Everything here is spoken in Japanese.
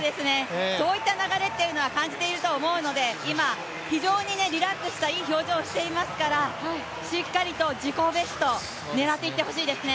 そういった流れというのは感じていると思うので、今、非常にリラックスしたいい表情をしていますから、しっかりと自己ベスト狙っていってほしいですね。